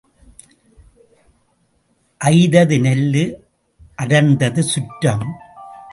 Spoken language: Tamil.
ஐதது நெல்லு அடர்ந்தது சுற்றம்.